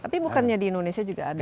tapi bukannya di indonesia juga ada